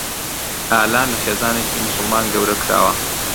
ئالان لە خێزانێکی موسڵمان گەورە کراوە.